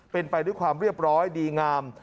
เป็นไปด้วยความเรียบร้อยดีงาม